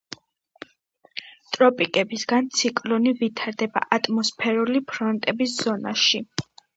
ტროპიკებსგარე ციკლონი ვითარდება ატმოსფერული ფრონტების ზონაში.